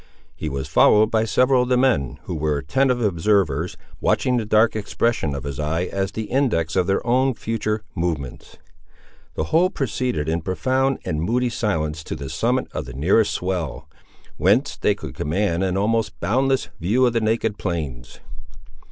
He was followed by several of the men, who were attentive observers, watching the dark expression of his eye as the index of their own future movements. The whole proceeded in profound and moody silence to the summit of the nearest swell, whence they could command an almost boundless view of the naked plains.